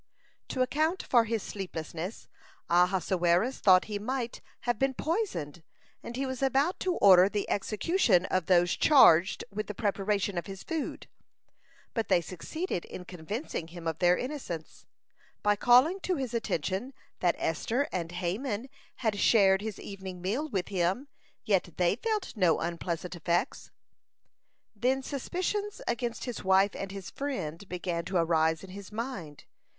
To account for his sleeplessness, Ahasuerus thought he might have been poisoned, and he was about to order the execution of those charged with the preparation of his food. But they succeeded in convincing him of their innocence, by calling to his attention that Esther and Haman had shared his evening meal with him, yet they felt no unpleasant effects. (164) Then suspicions against his wife and his friend began to arise in his mind.